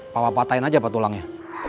papa patahin aja pak tulangnya